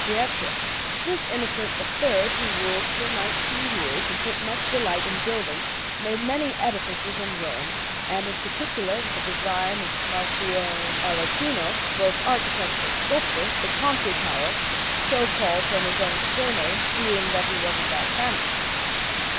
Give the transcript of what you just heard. Pietro. This Innocent III, who ruled for nineteen years and took much delight in building, made many edifices in Rome; and in particular, with the design of Marchionne Aretino, both architect and sculptor, the Conti Tower, so called from his own surname, seeing that he was of that family.